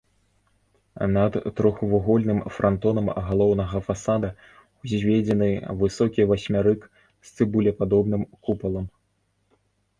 Над трохвугольным франтонам галоўнага фасада ўзведзены высокі васьмярык з цыбулепадобным купалам.